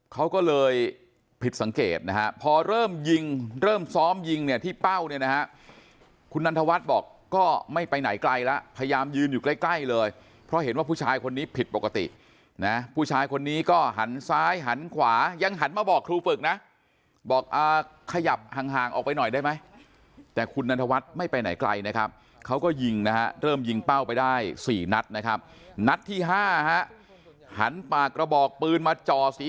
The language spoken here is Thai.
เขาก็เลยผิดสังเกตนะฮะพอเริ่มยิงเริ่มซ้อมยิงเนี่ยที่เป้าเนี่ยนะฮะคุณนันทวัฒน์บอกก็ไม่ไปไหนไกลแล้วพยายามยืนอยู่ใกล้เลยเพราะเห็นว่าผู้ชายคนนี้ผิดปกตินะผู้ชายคนนี้ก็หันซ้ายหันขวายังหันมาบอกครูฝึกนะบอกขยับห่างออกไปหน่อยได้ไหมแต่คุณนันทวัฒน์ไม่ไปไหนไกลนะครับเขาก็ยิงนะฮะเริ่